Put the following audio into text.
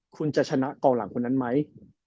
คุณจะชนะกองหลังคนนั้นไหม